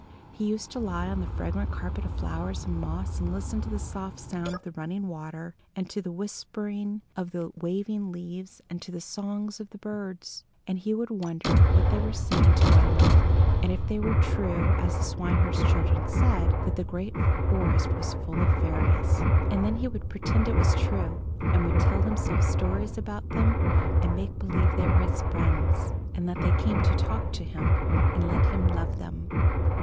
He used to lie on the fragrant carpet of flowers and moss and listen to the soft sound of the running water, and to the whispering of the waving leaves, and to the songs of the birds; and he would wonder what they were saying to one another, and if it were true, as the swineherd's children said, that the great forest was full of fairies. And then he would pretend it was true, and would tell himself stories about them, and make believe they were his friends, and that they came to talk to him and let him love them.